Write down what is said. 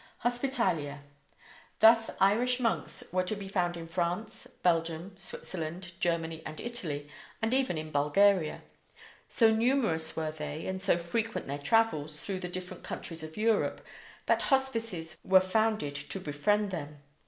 HOSPITALIA: Thus Irish monks were to be found in France, Belgium, Switzerland, Germany, and Italy, and even in Bulgaria. So numerous were they and so frequent their travels through the different countries of Europe that hospices were founded to befriend them.